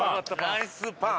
ナイスパン。